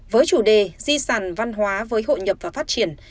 với chủ đề di sản văn hóa với hội nhập và phát triển